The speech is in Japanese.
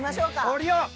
降りよう！